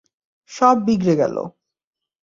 সব বিগড়ে গেল।